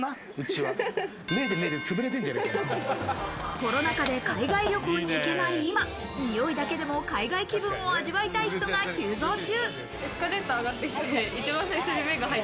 コロナ禍で海外旅行にいけない今、においだけでも海外気分を味わいたい人が急増中。